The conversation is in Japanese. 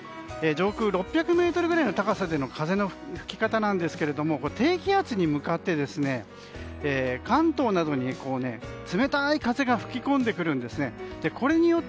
上空６００ｍぐらいの高さでの風の吹き方なんですが低気圧に向かって関東などに冷たい風が吹き込んでくるんですね。